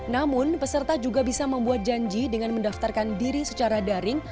namun peserta juga bisa membuat janji dengan mendaftarkan diri secara daring